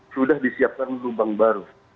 sudah disiapkan lubang baru